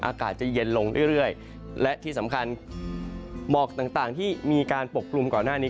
อากาศจะเย็นลงเรื่อยและที่สำคัญหมอกต่างที่มีการปกกลุ่มก่อนหน้านี้